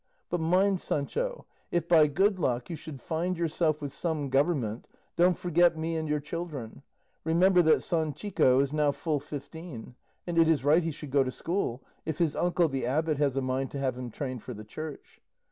But mind, Sancho, if by good luck you should find yourself with some government, don't forget me and your children. Remember that Sanchico is now full fifteen, and it is right he should go to school, if his uncle the abbot has a mind to have him trained for the Church.